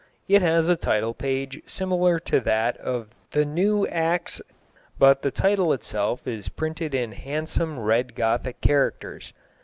It has a title page similar to that of the Nevv Actis, but the title itself is printed in handsome red Gothic characters.